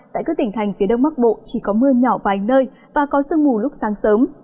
tại các tỉnh thành phía đông bắc bộ chỉ có mưa nhỏ vài nơi và có sương mù lúc sáng sớm